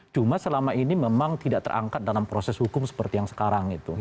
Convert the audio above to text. cuma selama ini memang tidak terangkat dalam proses hukum seperti yang sekarang itu